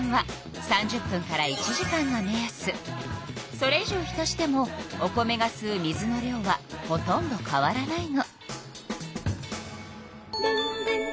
それ以上浸してもお米がすう水の量はほとんど変わらないの。